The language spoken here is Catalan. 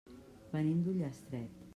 Venim d'Ullastret.